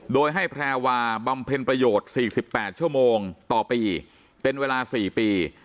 โดยให้แพรวาบำเพ็ญประโยชน์๔๘ชั่วโมงต่อปีเป็นเวลา๔ปี